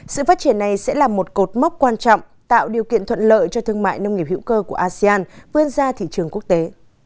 sự phát triển này sẽ là một cột mốc quan trọng tạo điều kiện thuận lợi cho thương mại nông nghiệp hữu cơ của asean vươn ra thị trường quốc tế